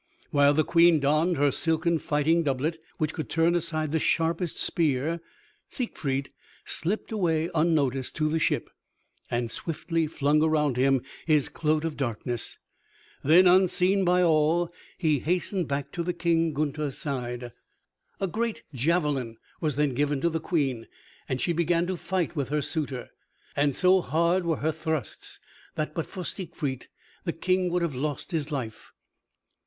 While the Queen donned her silken fighting doublet, which could turn aside the sharpest spear, Siegfried slipped away unnoticed to the ship, and swiftly flung around him his Cloak of Darkness. Then unseen by all, he hastened back to King Gunther's side. A great javelin was then given to the Queen, and she began to fight with her suitor, and so hard were her thrusts that but for Siegfried the King would have lost his life.